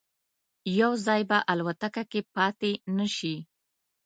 یو ځای به الوتکه کې پاتې نه شي.